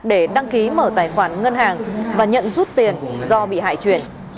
để đăng ký mở tài khoản ngân hàng và nhận rút tiền do bị hại chuyển